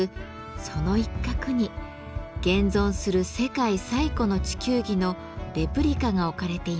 その一角に現存する世界最古の地球儀のレプリカが置かれています。